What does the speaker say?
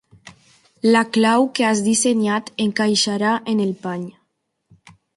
La clau que has dissenyat encaixarà en el pany.